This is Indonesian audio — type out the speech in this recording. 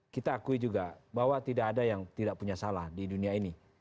kita akui juga bahwa tidak ada yang tidak punya salah di dunia ini